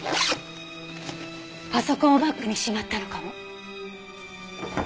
パソコンをバッグにしまったのかも。